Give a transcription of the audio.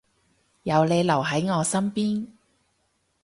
有你留喺我身邊